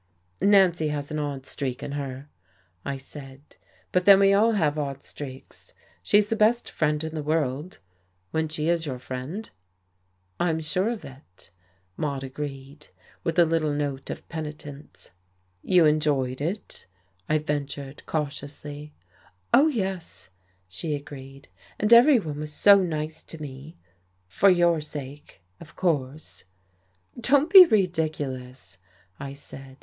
"Nancy has an odd streak in her," I said. "But then we all have odd streaks. She's the best friend in the world, when she is your friend." "I'm sure of it," Maude agreed, with a little note of penitence. "You enjoyed it," I ventured cautiously. "Oh, yes," she agreed. "And everyone was so nice to me for your sake of course." "Don't be ridiculous!" I said.